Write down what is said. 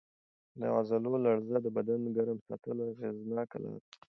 د عضلو لړزه د بدن ګرم ساتلو اغېزناکه لار ده.